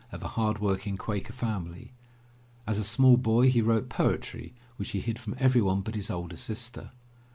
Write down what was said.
of a hard working Quaker family. As a small boy he wrote poetry which he hid from everyone but his older sister.